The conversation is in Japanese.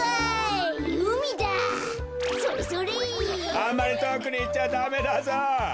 あんまりとおくにいっちゃダメだぞ。